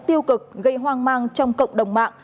tiêu cực gây hoang mang trong cộng đồng mạng